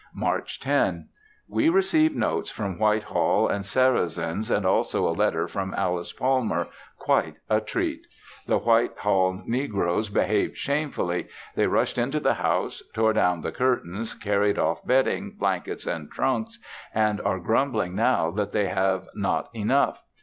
March 10. We received notes from White Hall and Sarrazins and also a letter from Alice Palmer, quite a treat. The White Hall negroes behaved shamefully; they rushed into the house; tore down the curtains, carried off bedding, blankets and trunks, and are grumbling now that they have not enough.